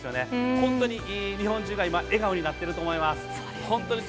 本当に、日本中が笑顔になってると思います。